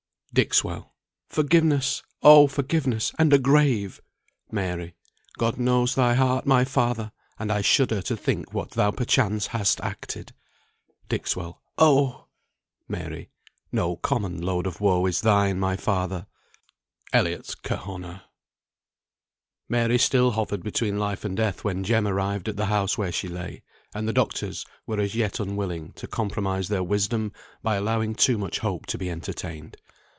"Dixwell. Forgiveness! Oh, forgiveness, and a grave! Mary. God knows thy heart, my father! and I shudder To think what thou perchance hast acted. Dixwell. Oh! Mary. No common load of woe is thine, my father." ELLIOTT'S "KERHONAH." Mary still hovered between life and death when Jem arrived at the house where she lay; and the doctors were as yet unwilling to compromise their wisdom by allowing too much hope to be entertained.